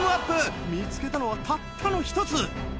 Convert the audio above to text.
見つけたのはたったの１つ。